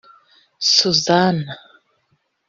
Suzana